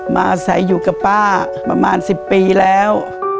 อาศัยอยู่กับป้าประมาณ๑๐ปีแล้ว